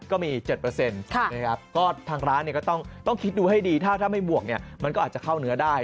ก็ทางร้านเนี่ยก็ต้องต้องคิดดูให้ดีถ้าไม่บวกมันก็อาจจะเข้าเนื้อได้